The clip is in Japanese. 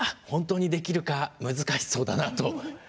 本当にできるか難しそうだなと。